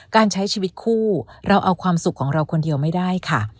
การใช้ชีวิตคู่เราเอาความสุขของเราคนเดียวไม่ได้ค่ะ